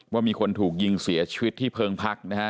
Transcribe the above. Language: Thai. ว่ามีคนถูกยิงเสียชีวิตที่เพิงพักนะฮะ